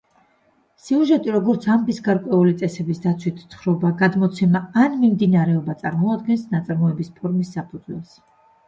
სიუჟეტი, როგორც ამბის გარკვეული წესების დაცვით თხრობა, გადმოცემა, ან მიმდინარეობა, წარმოადგენს ნაწარმოების ფორმის საფუძველს.